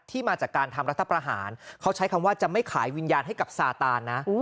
มาจากการทำรัฐประหารเขาใช้คำว่าจะไม่ขายวิญญาณให้กับซาตานนะ